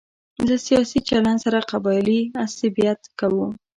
له سیاسي چلن سره قبایلي عصبیت کوو.